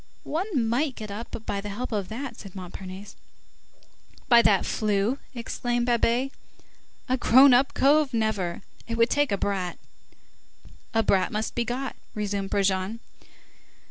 "One might get up by the help of that," said Montparnasse. "By that flue?" exclaimed Babet, "a grown up cove, never! it would take a brat." "A brat must be got," resumed Brujon.